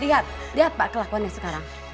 lihat lihat pak kelakuannya sekarang